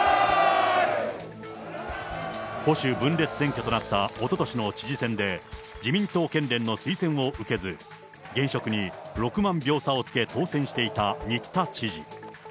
保守分裂選挙となったおととしの知事選で、自民党県連の推薦を受けず、現職に６万票差をつけ当選していた新田知事。